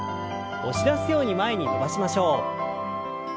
押し出すように前に伸ばしましょう。